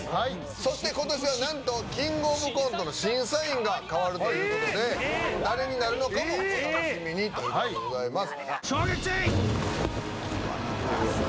そして今年は何と「キングオブコント」の審査員が変わるということで誰になるのかもお楽しみにということでございます